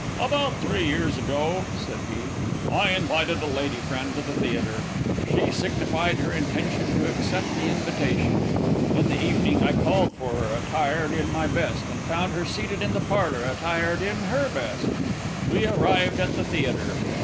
"About three years ago," said he, "I invited a lady friend to the theatre. She signified her intention to accept the invitation. In the evening I called for her, attired in my best, and found her seated in the parlor attired in her best. We arrived at the theatre.